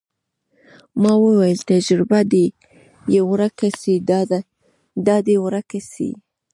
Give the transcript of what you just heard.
ما وويل تجربه دې يې ورکه سي دا دې ورکه سي.